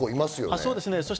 そうですね。